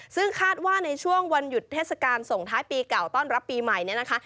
ซึ่งคาดว่าในช่วงวันหยุดเทศกาลส่งท้ายปีเก่าต้อนรับปีใหม่เนี่ยนะคะ